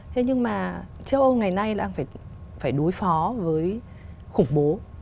thế nhưng mà châu âu ngày nay đang phải đối phó với khủng bố